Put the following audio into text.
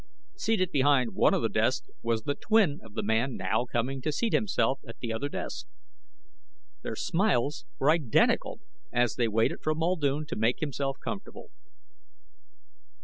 Seated behind one of the desks was the twin of the man now coming to seat himself at the other desk. Their smiles were identical as they waited for Muldoon to make himself comfortable.